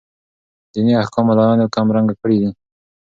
ديني احكام ملايانو کم رنګه کړي دي.